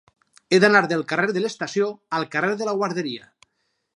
He d'anar del carrer de l'Estació al carrer de la Guarderia.